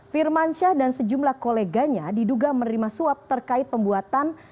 firmansyah dan sejumlah koleganya diduga menerima suap terkait pembuatan